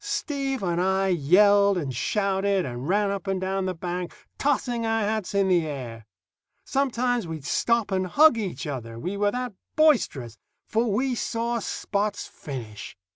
Steve and I yelled and shouted and ran up and down the bank, tossing our hats in the air. Sometimes we'd stop and hug each other, we were that boisterous, for we saw Spot's finish.